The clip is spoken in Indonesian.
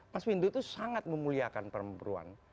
mas windu itu sangat memuliakan perempuan